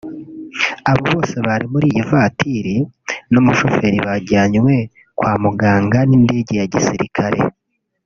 Aba bose bari muri iyi vatiri n’umushoferi bajyanywe kwa muganga n’indege ya gisirikari